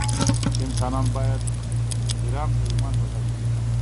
انسان باید غیران په ایمان بدل کړي.